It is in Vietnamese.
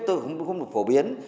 tôi không được phổ biến